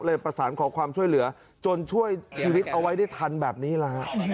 ประสานขอความช่วยเหลือจนช่วยชีวิตเอาไว้ได้ทันแบบนี้แหละฮะ